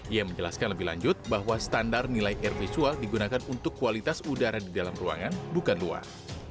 ia menjelaskan lebih lanjut bahwa standar nilai air visual digunakan untuk kualitas udara di dalam ruangan bukan luar